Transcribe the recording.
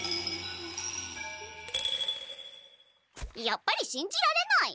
やっぱりしんじられない。